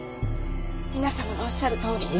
皆さまのおっしゃるとおりに。